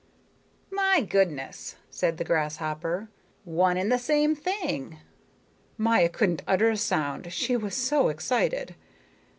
"My goodness," said the grasshopper, "one and the same thing." Maya couldn't utter a sound, she was so excited.